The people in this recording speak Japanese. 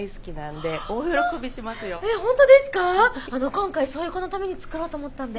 今回そういう子のために作ろうと思ったんで。